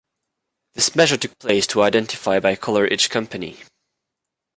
This measure took place to identify by color each company.